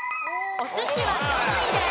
お寿司は４位です。